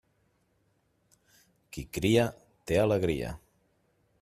Qui cria, té alegria.